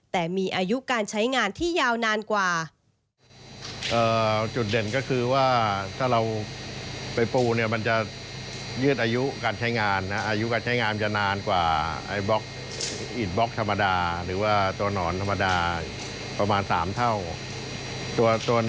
แต่มีอายุการใช้งานที่ยาวนานกว่า